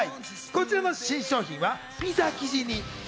こちらの新商品はピザ生地に１００％